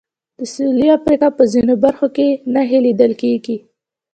د سوېلي افریقا په ځینو برخو کې نښې لیدل کېږي.